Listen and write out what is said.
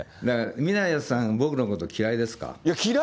宮根さん、僕のこと嫌いですか？